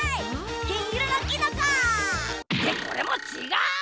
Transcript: きんいろのキノコ！ってこれもちがう！